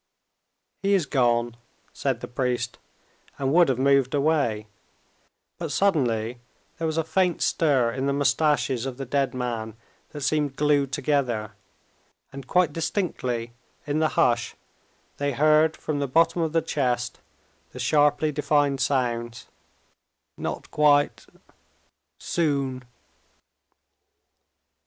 "He is gone," said the priest, and would have moved away; but suddenly there was a faint stir in the mustaches of the dead man that seemed glued together, and quite distinctly in the hush they heard from the bottom of the chest the sharply defined sounds: "Not quite ... soon."